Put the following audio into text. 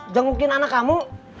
jengukin anak kamu